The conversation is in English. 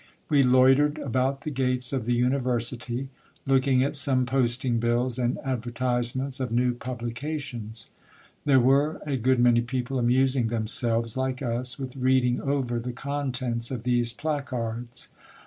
We loitered about the gates of the university, looking at some posting bills and advertise ments of new publications. There were a good many people amusing them selves, like us, with reading over the contents of these placards.